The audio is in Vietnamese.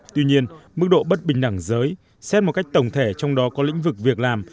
tuy nhiên mức độ bất bình đẳng giới xét một cách tổng thể trong đó có lĩnh vực việc làm